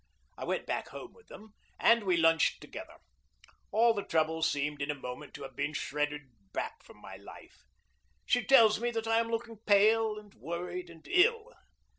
I went back home with them, and we lunched together. All the troubles seem in a moment to have been shredded back from my life. She tells me that I am looking pale and worried and ill.